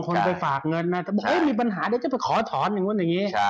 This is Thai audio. คนไปฝากเงินมาบอกว่ามีปัญหาจะไปขอถอนอย่างงี้